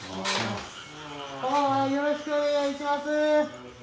よろしくお願いします。